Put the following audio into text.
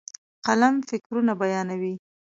قلم فکرونه بیانوي.